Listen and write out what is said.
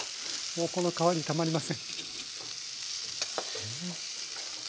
もうこの香りたまりません。